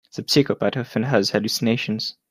The psychopath often has hallucinations.